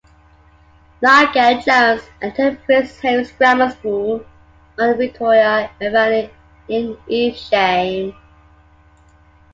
Nigel Jones attended Prince Henry's Grammar School on Victoria Avenue in Evesham.